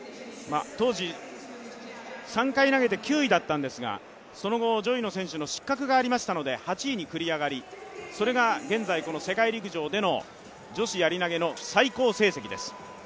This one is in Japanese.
当時、３回投げて９位だったんですがその後、上位の選手の失格がありましたので８位に繰り上がり、それが現在この世界陸上での女子やり投の最高成績です。